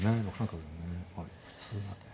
普通な手。